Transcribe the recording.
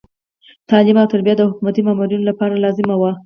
تعلیم او تربیه چې د حکومتي مامورینو لپاره لازمه وه.